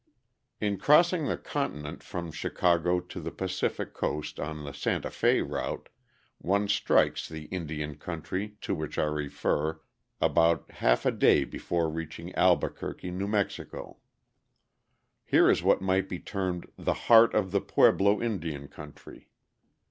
In crossing the continent from Chicago to the Pacific Coast on the Santa Fe route, one strikes the "Indian country," to which I refer, about half a day before reaching Albuquerque, New Mexico. Here is what might be termed "the heart of the Pueblo Indian country."